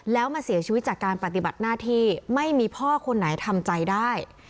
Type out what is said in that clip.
แล้วมาเสียชีวิตจากการปฏิบัติหน้าที่ไม่มีพ่อคนไหนทำใจได้